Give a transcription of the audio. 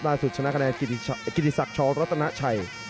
ได้สุดชนะกระแนนกิฤษักรรมรัฐนาชัย